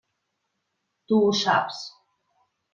Tu ho saps.